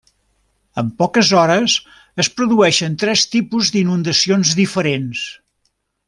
En poques hores, es produeixen tres tipus d'inundacions diferents.